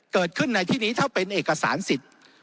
เกิดขึ้นในที่นี้ถ้าเป็นเอกสารสิทธิ์